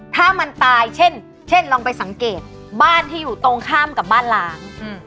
ถ้ามันตายเช่นลองไปสังเกตบ้านที่อยู่ตรงข้ามกับบ้านล้าง